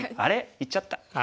言っちゃった。